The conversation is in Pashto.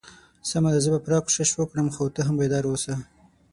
سمه ده زه به پوره کوشش وکړم خو ته هم بیدار اوسه.